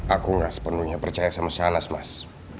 aku gak sepenuhnya percaya sama sanas mas